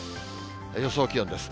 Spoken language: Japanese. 予想気温です。